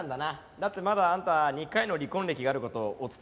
だってまだあんた２回の離婚歴がある事お伝えしてないんだろ？